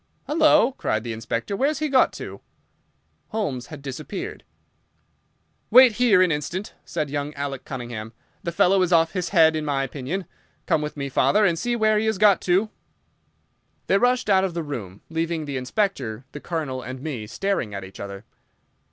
"Halloa!" cried the Inspector, "where's he got to?" Holmes had disappeared. "Wait here an instant," said young Alec Cunningham. "The fellow is off his head, in my opinion. Come with me, father, and see where he has got to!" They rushed out of the room, leaving the Inspector, the Colonel, and me staring at each other.